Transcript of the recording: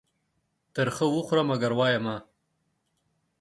تر خه وخوره ، منگر وايه يې مه.